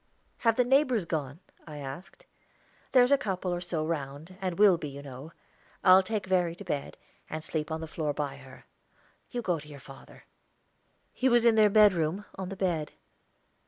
"Have the neighbors gone?" I asked. "There's a couple or so round, and will be, you know. I'll take Verry to bed, and sleep on the floor by her. You go to your father." He was in their bedroom, on the bed.